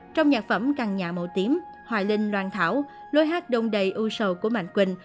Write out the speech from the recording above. trong nhạc phẩm căng nhạ màu tiếm hoài linh loan thảo lối hát đông đầy ưu sầu của mạnh quỳnh